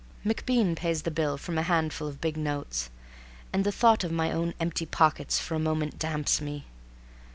MacBean pays the bill from a handful of big notes, and the thought of my own empty pockets for a moment damps me.